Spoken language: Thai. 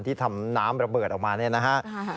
ที่ทำน้ำระเบิดออกมาเนี่ยนะฮะ